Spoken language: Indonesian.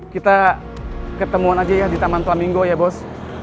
kita ketemuan aja ya di taman tuamino ya bos